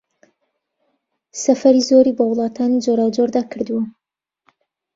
سەفەری زۆری بە وڵاتانی جۆراوجۆردا کردووە